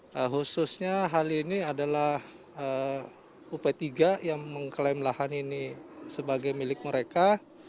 nah khususnya hal ini adalah up tiga yang mengklaim lahan ini sebagai milik mereka